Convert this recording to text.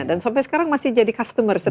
dan sampai sekarang masih jadi customer setia